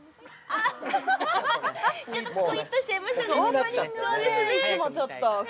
ちょっとぷいっとしちゃいましたね